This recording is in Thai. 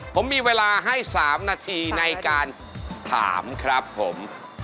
ผมมีเวลาให้๓นาทีในการถามครับผม